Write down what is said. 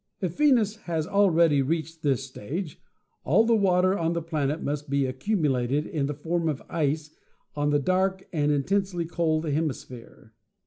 If Venus has already reached this stage, all the water on the planet must be accumulated in the form of ice on the dark and intensely cold hemisphere.